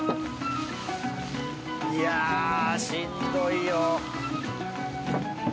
いやしんどいよ。